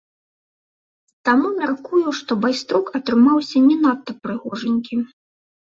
Таму мяркую, што байструк атрымаўся не надта прыгожанькі.